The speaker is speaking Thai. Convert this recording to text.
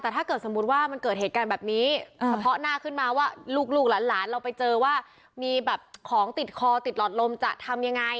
แต่ถ้าเกิดสมมุติว่ามันเกิดเหตุการณ์แบบนี้เฉพาะหน้าขึ้นมาว่าลูกหลานเราไปเจอว่ามีแบบของติดคอติดหลอดลมจะทำยังไง